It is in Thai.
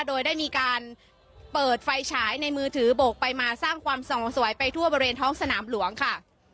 โดยได้มีการเปิดไฟฉายในมือถือโบกไปมาสร้างความส่องสวัยไปทั่วบริเวณท้องสนามหลวงค่ะ